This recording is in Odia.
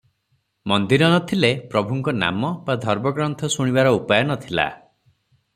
ମନ୍ଦିର ନ ଥିଲେ ପ୍ରଭୁଙ୍କ ନାମ ବା ଧର୍ମଗ୍ରନ୍ଥ ଶୁଣିବାର ଉପାୟ ନ ଥିଲା ।